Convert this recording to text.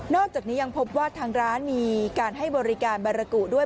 อกจากนี้ยังพบว่าทางร้านมีการให้บริการบารกุด้วย